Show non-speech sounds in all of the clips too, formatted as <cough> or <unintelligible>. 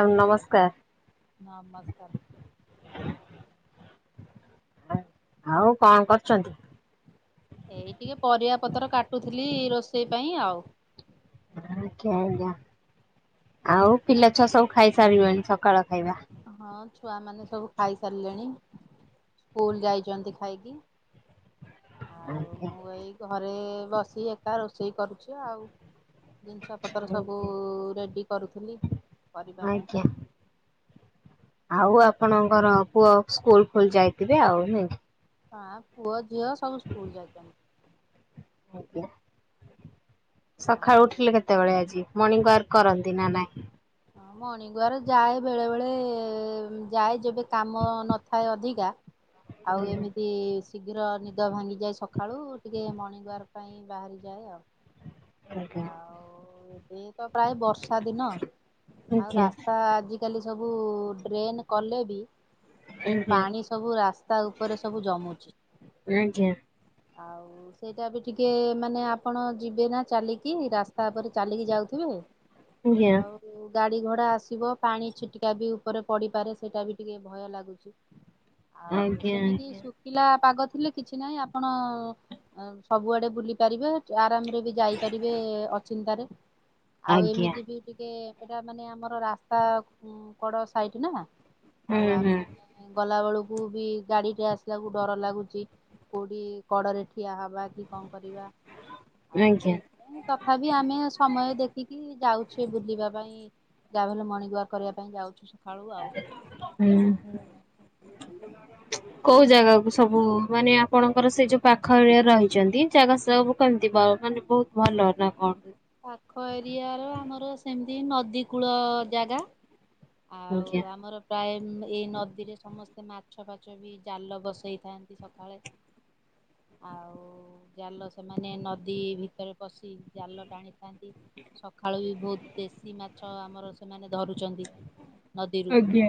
ଆଜି ନମସ୍କାର। ନମସ୍କାର। ଆଉ କଣ କରୁଛନ୍ତି? ଏଇ ଟିକେ ପରିବା ପତ୍ର କାଟୁଥିଲି ରୋଷେଇ ପାଇଁ ଆଉ <unintelligible> ହଁ ଛୁଆ ମାନେ ସବୁ ସ୍କୁଲ ଯାଇଛନ୍ତି ଖାଇକି ଆଉ ଆଜ୍ଞା। ମୁଁ ଏଇ ଘରେ ବସି ଏକା ରୋଷେଇ କରୁଛି ଆଉ ଜିନିଷ ପତ୍ର ସବୁ ରେଡି କରୁଥିଲି। ଆଜ୍ଞା ଆଉ ଆପଣଙ୍କର ପୁଅ ସ୍କୁଲ ଖୋଲି ଯାଇଥିବେ ଆଉ ନୁଁ? ହଁ ପୁଅ ଝିଅ ସବୁ ସ୍କୁଲ ଯାଇଛନ୍ତି। ଆଜ୍ଞା ସକାଳୁ ଆଉ ଉଠିଲେ କେତେବେଳେ ଆଜି? ମର୍ଣ୍ଣିଂ ୱାର୍କ କରନ୍ତି ନା ନାହିଁ? ମର୍ଣ୍ଣି ୱାର୍କ ଯାଏ ବେଳେ ବେଳେ ଯାଏ। ଯେବେ କାମ ନଥାଏ ଅଧିକା ଆଉ ଏମିତି ଶୀଘ୍ର ନିଦ ଭାଙ୍ଗିଯାଏ ସଖାଳୁ ଟିକେ ମର୍ଣିଙ୍ଗ ୱାର୍ ପାଇଁ ବାହାରିଯାଏ ଆଉ। କା କା ଆଉ ଏବେ ତ ପ୍ରାୟ ବର୍ଷା ଦିନ ଆଉ ଆଜ୍ଞା ରାସ୍ତା ଆଜିକାଲି ସବୁ ଡ୍ରେନ କଲେବି ସବୁ ଆଜ୍ଞା ପାଣି ସବୁ ରାସ୍ତା ଉପରେ ସବୁ ଜମୁଚି। ହଁ <inaudible> ସେଇଟା ବି ଟିକେ ମାନେ ଆପଣ ଯିବେନା ଚାଲିକି ରାସ୍ତା ଉପରେ ଚାଲିକି ଯାଉଥିବେ ଆଜ୍ଞା। ଯଉଁ ଗାଡିଘୋଡା ଆସିବ ପାଣି ଛିଟିକା ବି ଉପରେ ପଡିପାରେ ସେଇଟା ବି ଟିକେ ଭୟ ଲାଗୁଛି। ଆଉ ସେମିତି ଆଜ୍ଞା। ଶୁକିଲା ପାଗ ଥିଲେ କିଛି ନାଇ ଆପଣ ସବୁଆଡେ ବୁଲି ପାରିବେ ଚ ଆରାମରେ ବି ଯାଇପାରିବେ ଅଚିନ୍ତାରେ। ଆଜ୍ଞା। ଆଉ ଆଜ୍ଞା ଏମିତି ବି ଟିକ କେ ଏଟା ମାନେ ଆମର ରାସ୍ତା କଡ଼ ସାଇଟ ନା ଆଉ ଆମେ ହୁଁ ଗଲା ବେଳକୁ ବି ଗାଡିଟେ ଆସିଲାକୁ ଡର ଲାଗୁଛି। କୋଉଁଠି କଡ଼ରେ ଠିଆ ହବା କି କଣ କରିବା। ହୁଁ ଆଉ ଆଜ୍ଞା ସେଇଥି ପାଇଁ ତଥାପି ଆମେ ସମୟ ଦେଖିକି ଯାଉଁ। କେ ବୁଲିବା ପାଇଁ ଯାବି ହେଲେ ମର୍ଣ୍ଣିଙ୍ଗ ୱାର୍କ କରିବା ପାଇଁ ଯାଉଛୁ ସକାଳୁ ଆଉ ହୁଁ। କୋଉ ଜାଗାକୁ ସବୁ ମାନେ ଆପଣଙ୍କର ସେ ଯୋଉ ପାଖ ଏରିଆ ରେ ରହିଛନ୍ତି ସେ ଜାଗା ସେବୁ କେମିତିଆ? ବାଳ ମାନେ ବହୁତ ଭଲ ନା କଣ? ପାଖ ଏରିଆ ର ଆମର ସେମିତି ନଦୀ କୂଳ ଜାଗା ଆଉ ଆଜ୍ଞା। ଆମର ପ୍ରାୟେ ହୁଁ ଏଇ ନଦୀରେ ସମସ୍ତେ ମାଛ ଫାଛ ବି ଜାଲ ବସେଇଥାନ୍ତି ସଖାଳେ। ଆଉ ଜାଲ ସେମାନେ ନଦୀ ଭିତରେ ପଶି ଜାଲ ଟାଣିଥାନ୍ତି ସଖାଳୁ ବି ଭୋଉତ୍ ଦେଶୀ ମାଛ ଆମର ସେମାନେ ଧରୁଚନ୍ତି ନଦୀରୁ ଆଜ୍ଞା।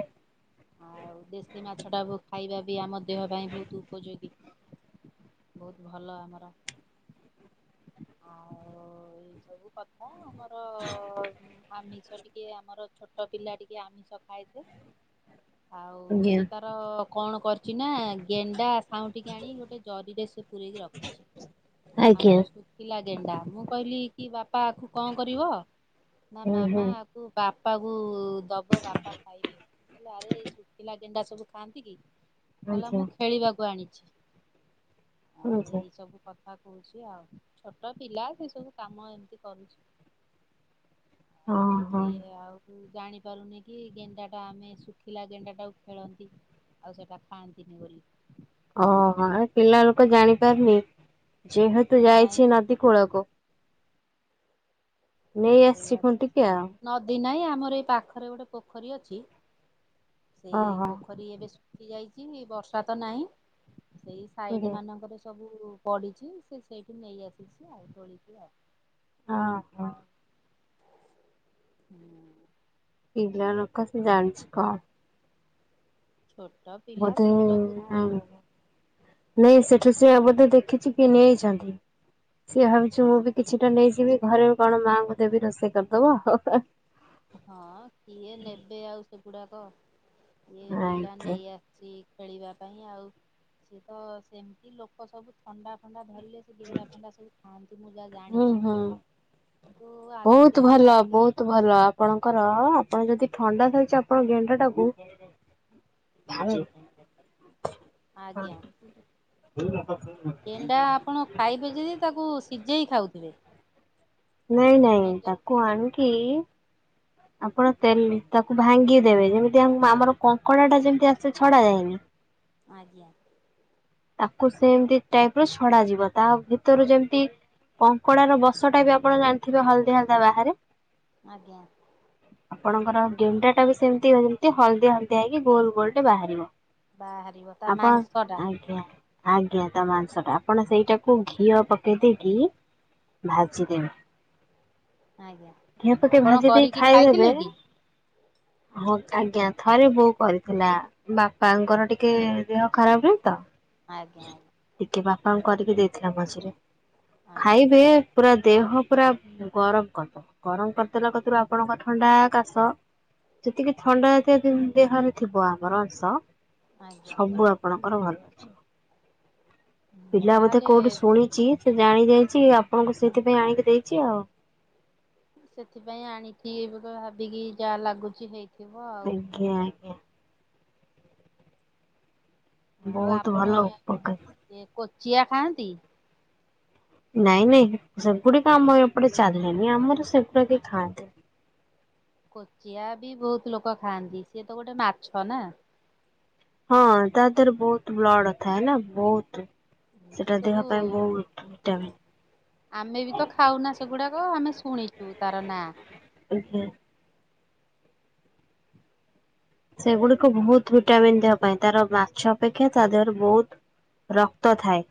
ଆଉ ଦେଶୀ ମାଛଟାବୁ ଖାଇବା ବି ଆମ ଦେହ ପାଇଁ ଭୋଉତୁ ଉପଯୋଗୀ ଭୌତ୍ ଭଲ ଆମ <inaudible> ସବୁ କଥା ଆମର ଆମିଷ ଟିକେ ଆମର ଛୋଟ ପିଲା ଟିକେ ଆମିଷ ଖାଏସେ ଆଉ ଆଜ୍ଞା ସେ ତାର କଣ କରିଚି ନା ଗେଣ୍ଡା ଖାଉଁଟିକି ଆଣି ଗୋଟେ ଜରିରେ ସେ ପୁରରେକି ରଖିଛି ଆଜ୍ଞା ଆମର ଶୁକିଲା ଗେଣ୍ଡା ମୁଁ କହିଲି କି ବାପା ଆକୁ ଙ୍କ କରିବ ନା ହୁଁ ମାମା ହୁଁ ଆକୁ ବା ପା କୁ ଦବ ବାପା ଖାଇବେ କଲେ ଆରେ ଶୁଖିଲା ଗେଣ୍ଡା ସବୁ ଖାଆନ୍ତି କି? କହିଲା ଆଜ୍ଞା ମୁଁ ଖେଳିବାକୁ ଆଣିଚି ଆଉ ଆଜ୍ଞା। ଏଇ ସବୁ କଥା ହୋଉଚି ଆଉ ଛୋଟ ପିଲା ସେ ସବୁ କାମ ଏମତି କରୁଛି। ଓହୋ ସିଏ ଆଉ ଜାଣିପାରୁନି କି ଗେଣ୍ଡାଟା ଆମେ ଶୁଖିଲା ଗେଣ୍ଡା ଟାକୁ ଖେଳନ୍ତି। ଆଉ ସେଟା ଖାଆନ୍ତିନି ବୋଲି। ଓ ହୋ ପିଲା ଲୋକ ଜାଣିପାରିନି ଯେହେତୁ ଯାଇ ଯାଇଛି ନଦୀ କୂଳକୁ ନେଇ ଆସିଛି ନଦୀ ନାଇଁ ଆ ମୋର ଏଇ ପାଖରେ ଗୋଟେ ପୋଖରୀ ଅଛି ସେଇ ଓହୋ ପୋଖରୀ ଏବେ ସୁଖୀଯାଇଛି ବର୍ଷା ତ ନାହିଁ ସେଇ ଆଜ୍ଞା ସାଇଡ ମାନଙ୍କରେ ସବୁ ପଢିଛି ସେ ସେଇଠି ନେଇ ଆସିଛି ଆଉ ତୋଳିକି ଆଉ। ହଁ ହୁଁ। ଉଁ। ପିଲା ଲୋକ ସେ ଜାଣିଛି କଣ? ଛୋଟୋ ପିଲା ବୋଧେ ଛୋଟ ବୁଦ୍ଧି ନାଇଁ ସେଠି ସିଏ ବୋଧେ ଦେଖିଛି କିଏ ନେଇଛନ୍ତି। ସିଏ ଭାବିଛିୁ ମୁଁ ବି କିଛିଟା ନେଇଯିବି ଘରେ କଣ ମାଆଙ୍କୁ ଦେବି ରୋଷେଇ କରିଦବ ହୋ ହୋ। ହଁ କିଏ ନେବେେ ଆଉ ସେଗୁଡ଼ାକ ଇ ପିଲା ଆଜ୍ଞା। ନେଇ ଆସିଛି। ଖେଳିବା ପାଇଁ ଆଉ ସିଏ ତ ସେମିତି ଲୋକ ସବୁ ଥଣ୍ଡା ଥଣ୍ଡା <unintelligible> ସେ ବିଣ୍ଡା ଫେଣ୍ଡା ସବୁ ଖାଆନ୍ତି ମୁଁ ଯାହା ହୁଁ ଜାଣିଛି। ହୁଁ। କିନ୍ତୁ ବହୁତ ଆଜିକାଲି ଭଲ ଆଉ ବହୁତ ଭଲ। ଆପଣଙ୍କର ଆପଣ ଯଦି ଥଣ୍ଡା ଧଇଛି ଆପଣ ଗେଣ୍ଡା ଟାକୁ ତା ଆଜ୍ଞା। ହୁଁ। ଏଣ୍ଡା ଆପଣ ଖାଇବେ ଯଦି ତାକୁ ସିଝେଇ ଖାଉଥିବେ। ନାଇଁ ନାଇଁ ତାକୁ ଆଣ କିି? ଆପଣ ତେଲ ତାକୁ ଭାଙ୍ଗି ଦେବେ ଯେମିତି ଆମର କଙ୍କଡା ଟା ଯେମିତି ଆସେ ଛଡା ଯାଏନି। ଆଜ୍ଞା। ତାକୁ ସେମତି ଟାଇପ ର ଛଡ ଯିବ ତା ଭିତରୁ ଯେମତି କଙ୍କଡ ର ବସଟା ବି ଆପଣ ଜାଣିଥିବେ ହଳଦି ହଳଦି ବାହାରେ ଆଜ୍ଞା। ଆପଣଙ୍କର ଗେଣ୍ଡା ଟା ବି ସେମିତିମତି ହଳଦି ହଳଦି ହେଇକି ଗୋଲ ଗୋଲ ଟେ ବାହାରିବ। ବାହାରରିବ ତା ମଙ୍ଗସଟା ଆପଣ ଆଜ୍ଞା। ଆଜ୍ଞା ତା ମାଂସ ଟା ଆପଣ ସେଇଟାକୁ ଘିଅ ପକେଇ ଦେଇକି ଭାଜିିଦେଲି। ଆଜ୍ଞା ଘି ପାକ ଆପଣ ଭାଜି ଦେଇ କରିକି ଖାଇଦବେ ଖାଇଥିଲେ କି? ହଁ ଆଜ୍ଞା ଥରେ ବୋଉ କରିଥିଲା ବାପାଙ୍କର ଟିକେ ଦେହ ଖରାପ ନାହି ତ ଆଜ୍ଞା ଆଜ୍ଞା। କଣ କରିକି ଦେଇଥିଲା ମଝିରେ ଆଜ୍ଞା ଖାଇବେ ପୁରା ଦେହ ପୁରା ଗରମ କରିଦେବା ଗରମ କରିଦେଲା କଥିରୁ ଆପଣଙ୍କ ଥଣ୍ଡା କାଶ ଯେତିକି ଥଣ୍ଡା ଜାତୀୟ ଦେହରେ ଥିବ ଆମର ଅଂଶ ଆଜ୍ଞା ସବୁ ଆପଣଙ୍କର ଭଲ। ହୁଁ ପିଲା ବୋଧେ ତାହେଲେ କୋଉଠୁ ଶୁଣିଛି। ଜାଣି ଯାଇଛି ଆପଣଙ୍କୁ ସେଇଥିପାଇଁ ଆଣିକି ଦେଇଛି ଆଉ। ସେଥିପାଇଁ ଆଣିଛିି ବ ଭାବିକି ଯାହା ଲାଗୁଛି ହେଇ ଆଜ୍ଞା ଆଜ୍ଞା। ବହୁତ ଭଲ ଉପକାର। ଚିଆ ଖାଆନ୍ତି। ନାଇଁ ନାଇଁ ସେଗୁଡିକ ଆମ ଏପଟେ ଚାଲିଣିି ଆମର ସେଗୁଡାକ ଖାଆନ୍ତି। ହ କୋଚିଆ ବି ବହୁତ ଲୋକ ଖାଆନ୍ତି। ସିଏ ତ ଗୋଟେ ମାଛ ନା ହଁ ତା ଦେହର ବହୁତ ବ୍ଲଡଥାଏ ନା ବହୁତ ସେ ସେଟା ଦେହ ସବୁ ପାଇଁ ବହୁତ ଭିଟାମିନ୍ ଆମେ ବି ତ ଖାଉନା ସେଗୁଡାକ ଆମେ ଶୁଣିଛୁ ତାର ନାଁ। ଓ ହୋ। ସେଗୁଡକୁ ବହୁତ ଭିଟାମିନ ଦେବା ପାଇଁ ତାର ମାଛ ଅପେକ୍ଷା ତା ଦେହରୁରେ ବହୁତ। ରକ୍ତ ଥାଏ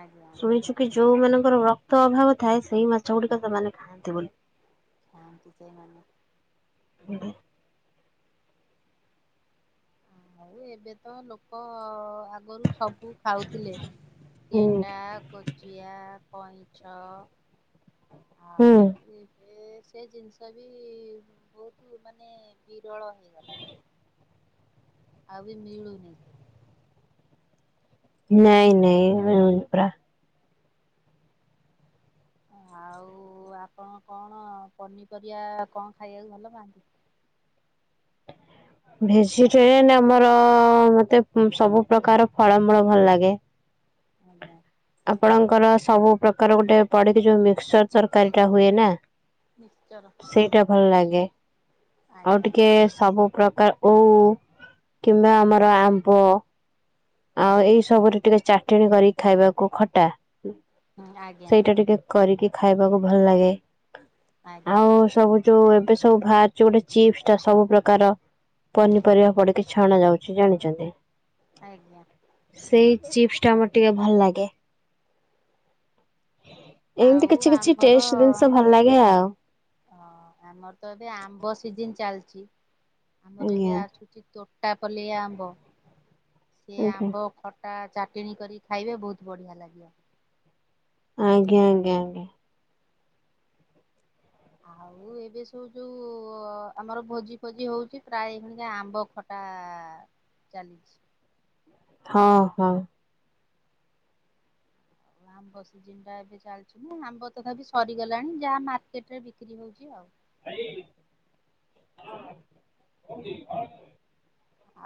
ଆଜ୍ଞା। ଶୁଣିଛୁ କି ଯୋଉ ମାନଙ୍କର ରକ୍ତ ତ ଅଭାବ ଥାଏ ସେଇ ମାଛ ଗୁଡିକ ସେମାନେ ଖାଆନ୍ତି ବୋଲି ଶାନ୍ତି ସେ ମାନେ ହୁଁ। ଆଉ ଏବେ ତ ଲୋକ ଆଗରୁ ସବୁ ଖାଉଥିଲେ ହୁଁ କେଣ୍ଡା କଚିଆ ପଇଁଛ ହୁଁ ହଉ। ସେ ଜିନିଷ ବି ବହୁତ ମାନେ ବିରଳ ହେଇଗଲାଣି। ଆ ମିଳୁନ ନାଇଁ ନାଇଁ ପୁରା ଆଉ, ଆଉ ଆପଣ କଣ ପନିପରିବା କଣ ଖାଇବାକୁ ଭଲ ପାଆନ୍ତି? ଭେଜିଟେରିଆନ ଆମର ମତେ ସବୁ ପ୍ରକାର ଫଳମୂଳ ଭଲ ଲାଗେ। ମଞ୍ଜା ର ସବୁ ପ୍ରକାର ଗୋଟେ ପଡିକି ଯୋଉ ମିକ୍ସଚର ତରକାରୀ ଟା ହୁଏ ନା। ମିକ୍ସଚର ସେଇଟା ଭଲ ଲାଗେ। ଆଉ ଆଜ୍ଞା ଟିକେ ସବୁ ବା ଓଉ କିମ୍ବା ଆମର ଆମ୍ବ ଆଉ ଏଇ ସବୁରେ ଟିକେ ଚାଟେଣୀ କରିକି ଖାଇବାକୁ ଖଟା। ଆଜ୍ଞା ସେଇଟା ଟିକେ କରିକି ଖାଇବାକୁ ଭଲ ଲାଗେ। ଆଜ୍ଞା ଆଉ ସବୁ ଯୋଉ ଏବେ ସବୁ ବାହାରଚି ଗୋଟେ ଚିପ୍ସ ଟା ସବୁ ପ୍ରକାର। ପନିପରିବା ପଡିକି ଛଣା ଯାଉଚି ଜାଣିଛନ୍ତି? ଆଜ୍ଞା ସେଇ ଚିପ୍ସ ଟା ଆମର ଟିକେ ଭଲ ଲାଗେ। ଏମତି କିଛି କିଛି ଟେଷ୍ଟ ଜିନିଷ ଭଲ ଲାଗେ ଆଉ। ଓ ଆମର ତ ଏବେ ଆମ୍ବ ସିଜିନ ଚାଲି ଚି ଆମର ଆଜ୍ଞା ଏବେ ଆସୁଛି ତୋଟାପଲେଇ ଆମ୍ବ। ସେ ଆଜ୍ଞା। ଆମ୍ବ ଖଟା ଚାଟେଣୀ କରିକି ଖାଇବେ ବହୁତ ବଢିଆ ଲାଗିବ। ଆଜ୍ଞା ଆଜ୍ଞା। ଆଉ ଏବେ ସବୁ ଯୋଉ ଆମର ଭୋଜି ଫୋଜି ହଉଚି ପ୍ରାୟ ଏଇନିକା ଆମ୍ବ ଖଟା ଚାଲିଚି। ହଁ ହଁ। ଆଉ ଆମ୍ବ ସିଜିନ ଟା ଏବେ ଚାଲିଚି ନା, ଆମ୍ବ ତଥାପି ସରିଗଲାଣି ଯାହା ମାର୍କେଟ ରେ ବିକ୍ରି ହଉଚି ଆଉ। ଭାଇ ହଁ କୋଉଠି ଘରେ ଅଛନ୍ତି?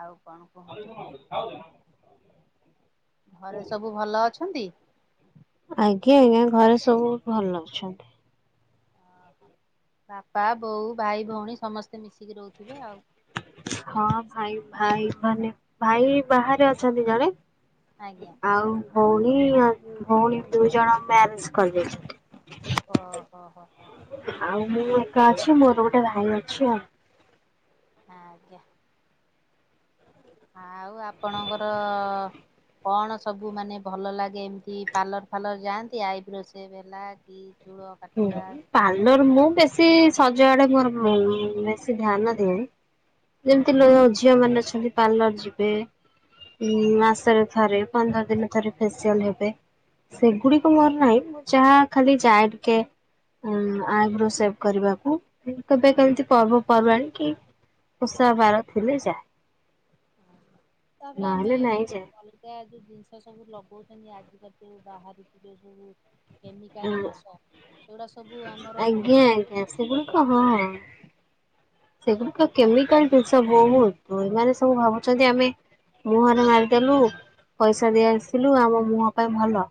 ଆଉ କଣ କୁହନ୍ତୁ <inaudible> ଘରେ ସବୁ ଭଲ ଅଛନ୍ତି? ଆଜ୍ଞା ଆଜ୍ଞା ଘରେ ସବୁ ଭଲ ଅଛନ୍ତି। ବାପା ବୋଉ ଭାଇ ଭଉଣୀ ସମସ୍ତେ ମିଶିକି। ରହୁଥିବେ ଆଉ ହଁ ଭାଇ ଭାଇ ମାନେ ଭାଇ ବାହାରେ ଅଛନ୍ତି ଜଣେ ଆଜ୍ଞା। ଆଉ ଭଉଣୀ ଭଉଣୀ ଦୁଇ ଜଣ ମ୍ୟାରେଜ କରିଯାଇଚନ୍ତି। ହ ହୋ ହୋ। ଆଉ ମୁଁ ଏକା ଅଛି, ମୋର ଗୋଟେ ଭାଇ ଅଛି ଆଉ। ଆଜ୍ଞା। ଆଉ ଆପଣଙ୍କର କଣ ସବୁ ମାନେ ଭଲ ଲାଗେ ଏମତି ପାର୍ଲର ଫାର୍ଲର ଯାଆନ୍ତି ଆଇବ୍ରୋ ସେଭେ ହେଲା କି ଚୂଳ ହୁ କାଟିବା ପାର୍ଲର ମୁଁ ବେଶି ସଜଆଡେ ମୋର ବେ ବେଶୀ ଧ୍ୟାନ ଦିଏନି ଯେମତି ଆଜ୍ଞା। ଲୋ ଝିଅ ମାନେ ଅଛ ଦି ପାର୍ଲର ଯିବେ ମାସରେ ଥରେ ପନ୍ଦର ଦିନ ଥରେ ଫେସିଆଲ ହେବେ ସେଗୁଡିକ ମୋର ନାହିଁ, ମୁଁ ଯାହା ଖାଲି ଯାଏ ଟିକେ ହଁ ଆଇବ୍ରୋ ସେଭ କରିବାକୁ କେବେ କେମିତି ପର୍ବ ପର୍ବାଣୀ କି ଓଷାବାର ଥିଲେ ଯାଏ। ତାପରେ ଆମେ ନହେଲେ ଏଇ ନାଇଁ ଯୋଉ ଯାଏ। <unintelligible> ଜିନିଷ ସବୁ ଲଗଉଚନ୍ତି ଆଜିକାଲି ଯୋଉ ବାହରିଚି ଯୋଉ ସବୁ କେମିକାଲ ଜିନିଷ ସେଗୁଡା ସ ଆଜ୍ଞା ଆଜ୍ଞା ସେଗୁଡିକ ହଁ। କରୁଛି। ସେଗୁଡିକ କେମିକାଲ ଜିନିଷ ବହୁତ, ଏମାନେ ସବୁ ଭାବୁଚନ୍ତି ଆମେ ମୁହଁରେ ମାରିଦେଲୁ, ପଇସା ଦେଇ ଆସିଲୁ ଆମ ମୁହଁ ପାଇଁ ଭଲ।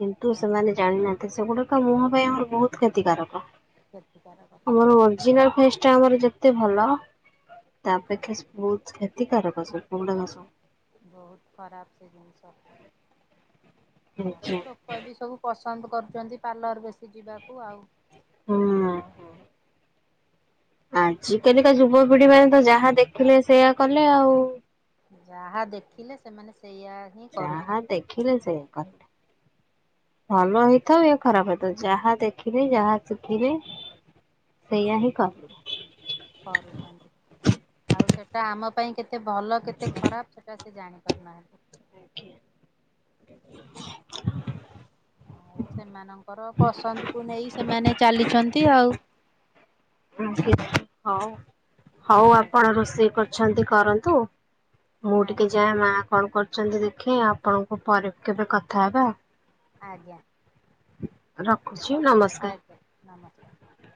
କିନ୍ତୁ ଆଚ୍ଛା ସେମାନେ ଜାଣିନାହାନ୍ତି, ସେଗୁଡିକ ମୁହଁ ପାଇଁ ଆମର ବହୁତ କ୍ଷତିକାରକ। କ୍ଷତିକାରକ ଆମର ଓରିଜିନାଲ ଫେସ୍ ଟା ଆମର ଯେ ଏତେ ଭଲ ତାଅପେକ୍ଷା ସୁପଥ୍ କ୍ଷତିକାରକ ସବୁ ଗଡାକ ସବୁ ବହୁତ ଖରାପ ସେ ଜିନିଷ ଆଉ ହେଇଛି। ଲୋକ ବି ସବୁ ପସ ପସନ୍ଦ କରୁଚନ୍ତି ପାର୍ଲର ବେଶୀ ଯିବାକୁ ଆଉ। ହୁଁଉଁ। ଆଜ କାଲିକା ଯୁବପିଢି ମାନେ ତ ଯାହା ଦେଖିଲେ ସେଇଆ କଲେ ଆଉ। ଯାହା ଦେଖିଲେ ସେମାନେ ସେ ଯାହା ଦେଖିଲେ ସେଇଆ କଲେ। ଭଲ ହେଇଥାଉ ୟା ଖରାପ ହେଇଥାଉ ଯାହା ଦେଖିନେ ଯାହା ଶିଖିବେ ସେଇ ହିଁ କରିବେ। କରୁଛନ୍ତି ଆଉ ସେଟା ଆମ ପାଇଁ କେତେ ଭଲ କେତେ ଖରାପ ସେଟା ସେ ଜାଣି ପାରୁନାହାନ୍ତି। ଆ <unintelligible> ଆଉ ସେମାନଙ୍କର ପସନ୍ଦ କୁ ନେଇ ସେମାନେ ଚାଲିଛନ୍ତି ଆଉ। ହଉ ହଉ ଆପଣ ଆଜ୍ଞା ରୋଷେଇ କରୁଛନ୍ତି କରନ୍ତୁ। ମୁଁ ଟିକେ ଆଜ୍ଞା ଯାଏ ମା କଣ କରୁଚନ୍ତି ଦେଖେ ଆପଣଙ୍କୁ ପରେ କେବେ କଥା ହବା। ଆଜ୍ଞା। ରଖୁଛିୁ ନମସ୍କାର।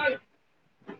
ଆ ନା <unintelligible>